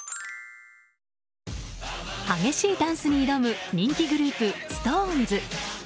激しいダンスに挑む人気グループＳｉｘＴＯＮＥＳ。